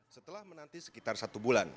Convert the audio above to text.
setelah menanti sekitar satu bulan